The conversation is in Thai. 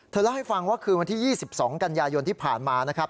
เล่าให้ฟังว่าคืนวันที่๒๒กันยายนที่ผ่านมานะครับ